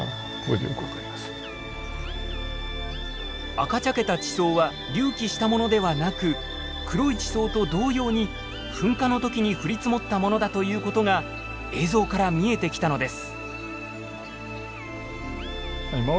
赤茶けた地層は隆起したものではなく黒い地層と同様に噴火の時に降り積もったものだということが映像から見えてきたのです。